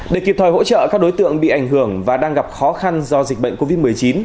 để kịp thời hỗ trợ các đối tượng bị ảnh hưởng và đang gặp khó khăn do dịch bệnh covid một mươi chín